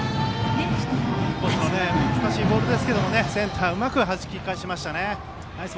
インコースの難しいボールでしたがセンターへうまくはじき返しましたね。